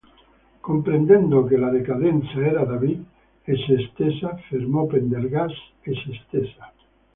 Comprendendo che la Decadenza era David e se stessa, fermò Pendergast e se stessa.